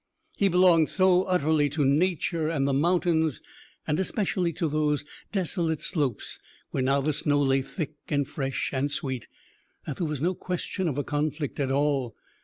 He belonged so utterly to Nature and the mountains, and especially to those desolate slopes where now the snow lay thick and fresh and sweet, that there was no question of a conflict at all.